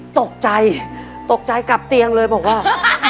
ตกใจตกใจกลับเตียงเลยบอกว่า